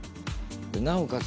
なおかつ